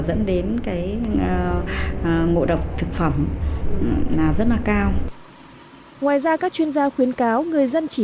dẫn đến cái ngộ độc thực phẩm là rất là cao ngoài ra các chuyên gia khuyến cáo người dân chỉ